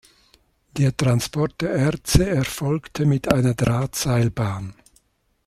Der Transport der Erze erfolgte mit einer Drahtseilbahn.